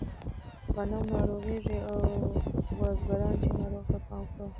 غنم ناروغېږي او بزګرانو یې ناروغیو ته پام کاوه.